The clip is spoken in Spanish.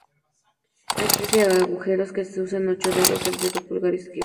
Hay trece agujeros que usan ocho dedos y el dedo pulgar izquierdo.